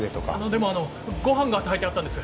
でもあのご飯が炊いてあったんです。